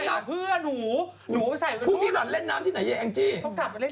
ฉันต้องกลัวนั้นแต่ใส่สั้น